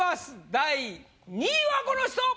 第２位はこの人！